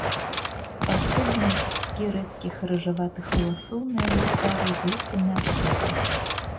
Паасобныя кусткі рэдкіх рыжаватых валасоў на яго твары злеплены ад поту.